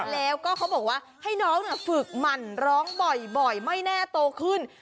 แล้วก็เขาบอกว่าให้น้องฝึกหมั่นร้องบ่อยไม่แน่โตขึ้น